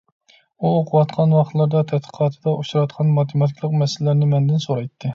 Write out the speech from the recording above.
ئۇ ئوقۇۋاتقان ۋاقىتلىرىدا تەتقىقاتىدا ئۇچراتقان ماتېماتىكىلىق مەسىلىلەرنى مەندىن سورايتتى.